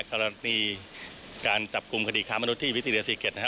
กรณีการกลับกลุ่มคดีการคนมนุษย์วิทยา๔๑๗นะฮะ